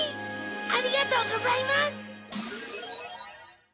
ありがとうございます！